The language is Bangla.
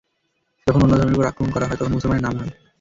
যখন অন্য ধর্মের ওপর আক্রমণ করা হয়, তখন মুসলমানের নামে হয়।